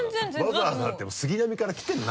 わざわざ杉並から来てるんだ。